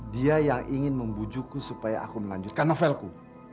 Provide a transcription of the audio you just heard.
dia yang ingin membujukku supaya aku melanjutkan novelku